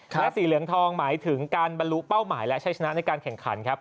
และสีเหลืองทองหมายถึงการบรรลุเป้าหมายและใช้ชนะในการแข่งขันครับ